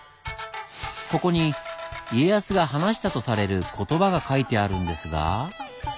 ここに家康が話したとされる言葉が書いてあるんですが。